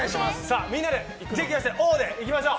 みんなで元気出してオーでいきましょう。